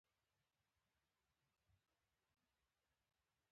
د ګشنیز ګل د څه لپاره وکاروم؟